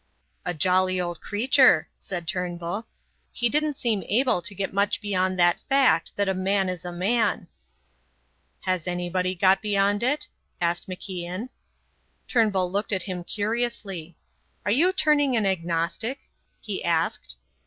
"A jolly old creature," said Turnbull; "he didn't seem able to get much beyond that fact that a man is a man." "Has anybody got beyond it?" asked MacIan. Turnbull looked at him curiously. "Are you turning an agnostic?" he asked.